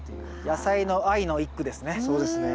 野菜の愛の一句ですね。